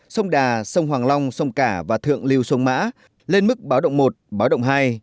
sông đà sông hoàng long sông cả và thượng lưu sông mã lên mức báo động một báo động hai